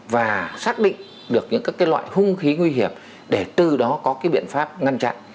và xác định được những các loại hung khí nguy hiểm để từ đó có biện pháp ngăn chặn